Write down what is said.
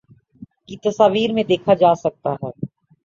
کی تصاویر میں دیکھا جاسکتا ہے